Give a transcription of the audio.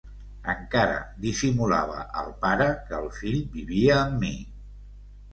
Encara dissimulava al pare que el fill vivia amb mi.